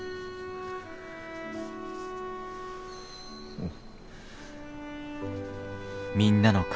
うん。